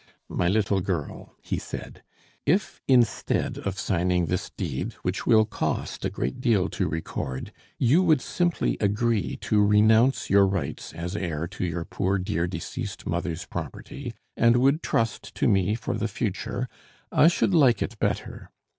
"My little girl," he said, "if, instead of signing this deed, which will cost a great deal to record, you would simply agree to renounce your rights as heir to your poor dear, deceased mother's property, and would trust to me for the future, I should like it better.